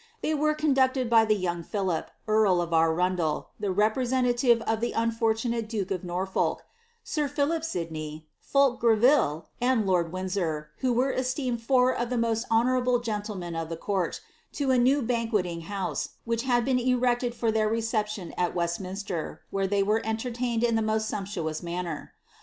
They were conducted by the young Philip, carl of Aruadel, the representative of the unfortunate duke of Norfolk, fir Philip Sidney, Fulk Greville, and lord Windsor, who were esteemed^ Ibar of the most honourable gentlemen of the court, to a new banquet iof house, which had been erected for their reception at Westminster, vbere they were entertained in the most sumptuous manner.